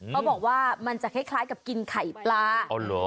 เขาบอกว่ามันจะเคล็ดคล้ายกับกินไข่ปลาอ๋อเหรอ